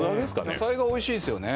野菜がおいしいですよね